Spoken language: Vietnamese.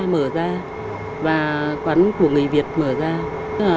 mở ra và quán của người việt mở ra